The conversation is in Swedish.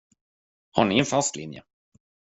Har ni en fast linje?